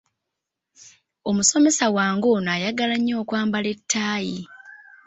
Omusomesa wange ono ayagala nnyo okwambala ettaayi.